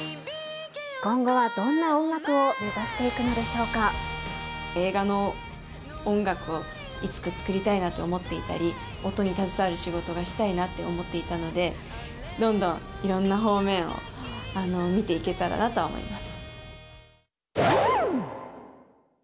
今後はどんな音楽を目指して映画の音楽を、いつか作りたいなと思っていたり、音に携わる仕事がしたいなって思っていたので、どんどんいろんな方面を見ていけたらなとは思います。